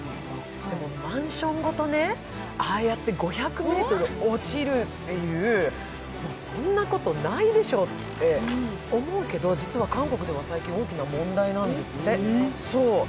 でも、マンションごとああやって５００ｍ落ちるっていうそんなことないでしょうって思うけど、実は韓国では最近起きた問題なんですって。